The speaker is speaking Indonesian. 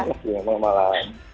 terima kasih selamat malam